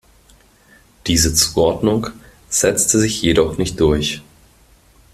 Diese Zuordnung setzte sich jedoch nicht durch.